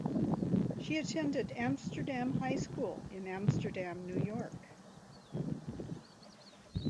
She attended Amsterdam High School in Amsterdam, New York.